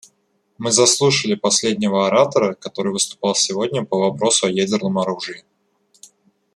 Мы заслушали последнего оратора, который выступал сегодня по вопросу о ядерном оружии.